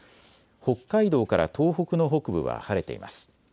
北海道から東北の北部は晴れています。